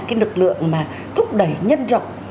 cái lực lượng mà thúc đẩy nhân rộng